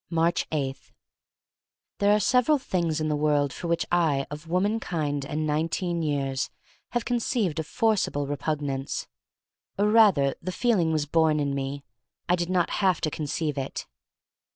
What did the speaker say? f Aatcb 8. THERE are several things in the world for which I, of womankind and nineteen years, have con ceived a forcible repugnance — or rather, the feeling was born in me; I did not have to conceive it.